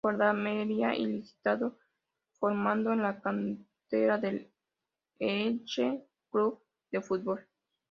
Guardameta ilicitano formado en la cantera del Elche Club de Fútbol.